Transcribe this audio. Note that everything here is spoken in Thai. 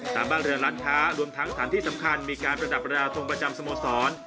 ตามบ้านเรือร้านค้ารวมทั้งสถานที่สำคัญมีการประดับราทรงประจำสโมสร